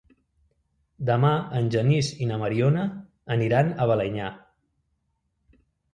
Demà en Genís i na Mariona aniran a Balenyà.